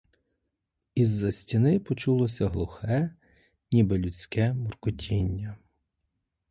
Із-за стіни почулося глухе, ніби людське муркотіння.